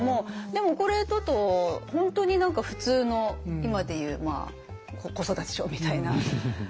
でもこれだと本当に何か普通の今でいう子育て書みたいな。